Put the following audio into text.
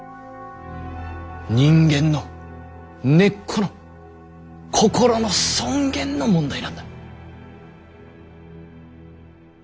人間の根っこの心の尊厳の問題なんだ。